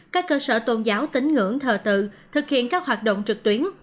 các cơ sở tôn giáo tính ngưỡng thờ tự thực hiện các hoạt động trực tuyến